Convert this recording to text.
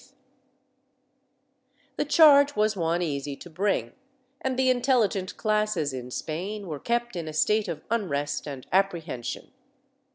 296 JANSENISM [Book VIII The charge was one easy to bring, and the intelhgent classes in Spain were kept in a state of unrest and apprehension.